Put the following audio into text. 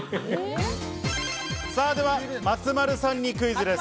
では松丸さんにクイズです。